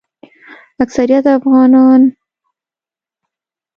اکثریت افغانان